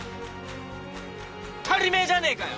当ったりめーじゃねえかよ。